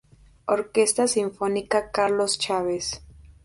Orquesta Sinfónica Carlos Chávez.